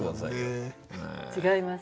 違います。